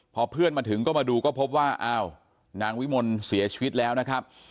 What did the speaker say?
พอเพื่อนมาถึงก็มาดูก็พบว่าอ้าวนางวิมลเสียชีวิตแล้วนะครับ